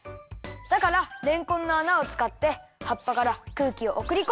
だかられんこんのあなをつかってはっぱからくうきをおくりこんでいるんだよ。